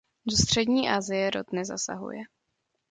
Do Střední Asie rod nezasahuje.